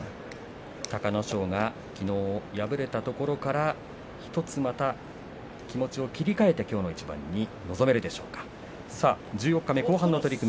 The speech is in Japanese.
隆の勝がきのう敗れたところから１つまた気持ちを切り替えてきょうの一番に臨めるでしょうか十四日目、後半の取組。